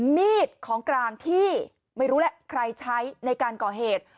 มีดของกลางที่ไม่รู้แหละใครใช้ในการก่อเหตุ